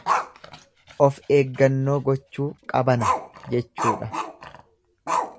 Of eeggannoo gochuu qabana jechudha.